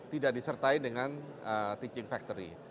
tidak disertai dengan teaching factory